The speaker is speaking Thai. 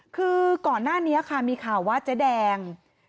คือก่อนหน้านี้ค่ะมีข่าวว่าเจ๊แดง